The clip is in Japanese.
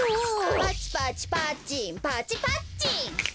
「パチパチパッチンパチ・パッチン」